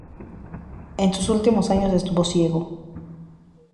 En sus últimos años estuvo ciego.